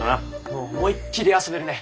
もう思いっきり遊べるね。